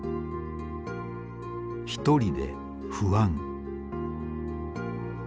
「一人で不安」。